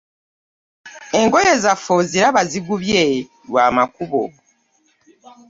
Engoye zaffe oziraba zigubye lwa makubo.